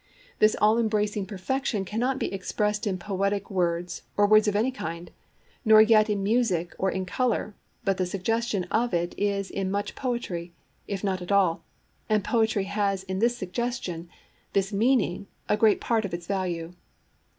This all embracing perfection cannot be expressed in poetic words or words of any kind, nor yet in music or in colour, but the suggestion of it is in much poetry, if not all, and poetry has in this suggestion, this 'meaning,' a great part of its value.